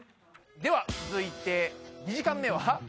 では続いて２時間目は。